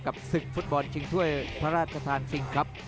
ศึกฟุตบอลชิงถ้วยพระราชทานคิงครับ